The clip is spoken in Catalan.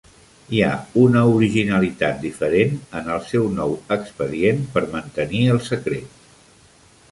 Hi ha una originalitat diferent en el seu nou expedient per mantenir el secret.